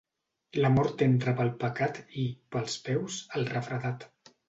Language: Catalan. La mort entra pel pecat i, pels peus, el refredat.